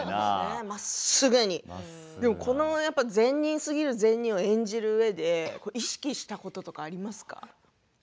まっすぐに善人すぎる善人を演じるうえで意識したこととかありますか？